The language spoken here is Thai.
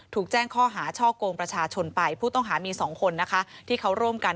ถูกแจ้งข้อหาช่อกงประชาชนไปผู้ต้องหามี๒คนนะคะที่เขาร่วมกัน